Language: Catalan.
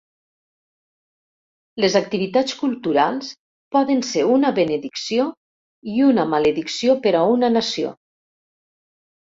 Les activitats culturals poden ser una benedicció i una maledicció per a una nació.